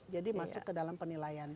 jadi masuk ke dalam penilaian